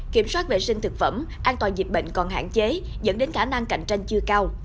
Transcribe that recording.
kiểm soát vệ sinh thực phẩm an toàn dịch bệnh còn hạn chế dẫn đến khả năng cạnh tranh chưa cao